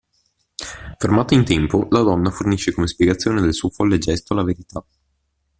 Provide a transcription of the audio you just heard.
Fermata in tempo, la donna fornisce come spiegazione del suo folle gesto la verità.